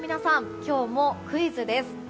今日もクイズです。